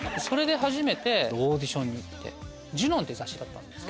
初めてオーディションに行って『ジュノン』って雑誌だったんです。